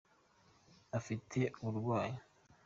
ufite uburwayi